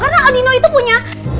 karena aldino itu punya